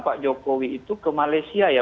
pak jokowi itu ke malaysia ya